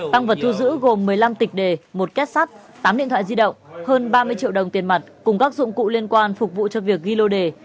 tăng vật thu giữ gồm một mươi năm tịch đề một két sắt tám điện thoại di động hơn ba mươi triệu đồng tiền mặt cùng các dụng cụ liên quan phục vụ cho việc ghi lô đề